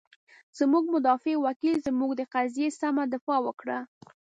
زمونږ مدافع وکیل، زمونږ د قضیې سمه دفاع وکړه.